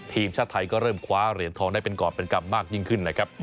ทีมชาติไทยก็เริ่มคว้าเหรียญทองได้เป็นกรอบเป็นกรรมมากยิ่งขึ้นนะครับ